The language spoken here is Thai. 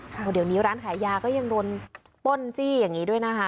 เพราะเดี๋ยวนี้ร้านขายยาก็ยังโดนป้นจี้อย่างนี้ด้วยนะคะ